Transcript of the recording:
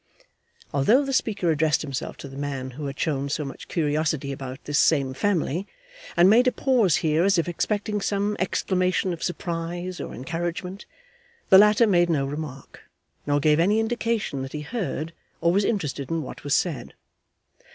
Although the speaker addressed himself to the man who had shown so much curiosity about this same family, and made a pause here as if expecting some exclamation of surprise or encouragement, the latter made no remark, nor gave any indication that he heard or was interested in what was said.